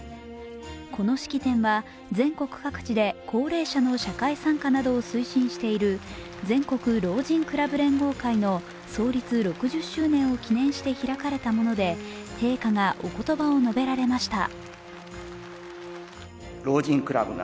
この式典は全国各地で高齢者の社会参加などを推進している全国老人クラブ連合会の創立６０周年を記念して開かれたもので陛下がおことばを述べられました。